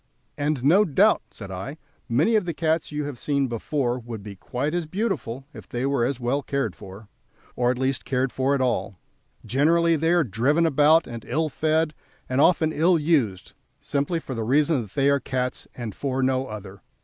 "And no doubt," said I, "many of the cats you have seen before would be quite as beautiful if they were as well cared for, or at least cared for at all; generally they are driven about and ill fed, and often ill used, simply for the reason that they are cats, and for no other.